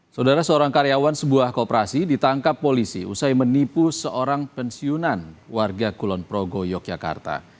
saudara seorang karyawan sebuah kooperasi ditangkap polisi usai menipu seorang pensiunan warga kulon progo yogyakarta